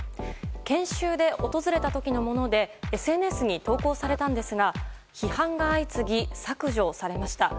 研修で訪れた時のものでＳＮＳに投稿されたんですが批判が相次ぎ、削除されました。